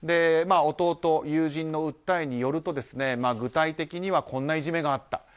弟、友人の訴えによると具体的にはこんないじめがあった。